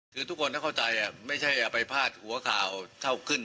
คือทุกคนต้องเข้าใจไม่ใช่อย่าไปพาดหัวข่าวเท่าขึ้น